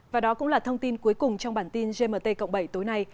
và đó cũng là thông tin cuối cùng trong bản tin gmt cộng bảy tối nay